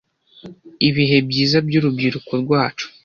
Ibihe byiza byurubyiruko rwacu,